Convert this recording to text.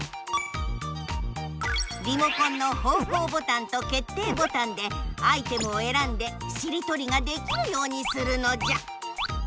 リモコンの方向ボタンと決定ボタンでアイテムをえらんでしりとりができるようにするのじゃ！